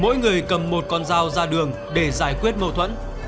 mỗi người cầm một con dao ra đường để giải quyết mâu thuẫn